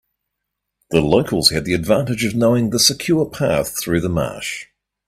The locals had the advantage of knowing the secure path through the marsh.